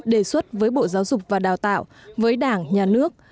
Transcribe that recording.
đề xuất với bộ giáo dục và đào tạo với đảng nhà nước